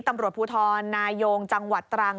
ตำรวจภูทรนายงจังหวัดตรัง